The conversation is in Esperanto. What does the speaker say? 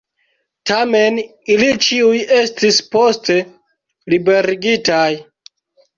Tamen, ili ĉiuj estis poste liberigitaj.